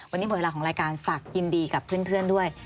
วันนี้หมดเวลาของรายการฝากยินดีกับเพื่อนด้วย